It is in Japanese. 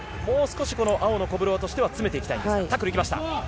もう少し青のコブロワとしたら詰めていきたいですね。